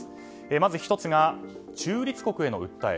まず１つが中立国への訴え。